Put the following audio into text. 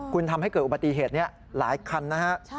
คุณทำให้เกิดอุบัติเหตุนี้หลายคันนะฮะ